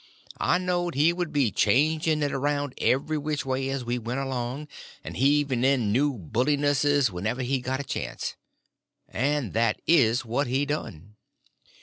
I knowed he would be changing it around every which way as we went along, and heaving in new bullinesses wherever he got a chance. And that is what he done.